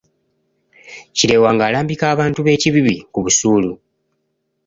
Kireewa ng'alambika abantu b’e Kibibi ku busuulu.